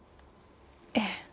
ええ。